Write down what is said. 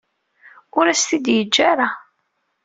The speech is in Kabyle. Ur as-t-id-yeǧǧa ara.